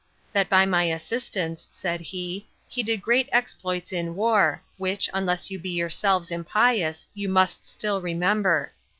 That by my assistance, said he, he did great exploits in war, which, unless you be yourselves impious, you must still remember.